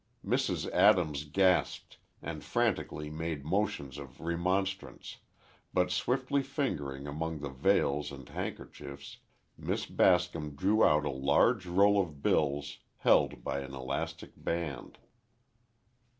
Mrs. Adams gasped, and frantically made motions of remonstrance, but swiftly fingering among the veils and handkerchiefs, Miss Bascom drew out a large roll of bills, held by an elastic band.